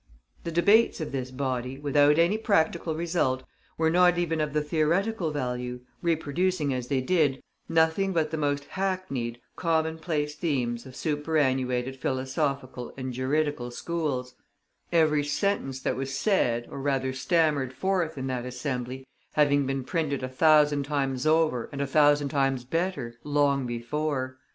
The debates of this body, without any practical result, were not even of any theoretical value, reproducing, as they did, nothing but the most hackneyed commonplace themes of superannuated philosophical and juridical schools; every sentence that was said, or rather stammered forth, in that Assembly having been printed a thousand times over, and a thousand times better, long before.